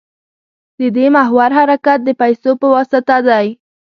د دې محور حرکت د پیسو په واسطه دی.